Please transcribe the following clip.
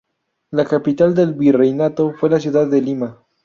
La capital del virreinato fue la ciudad de Lima.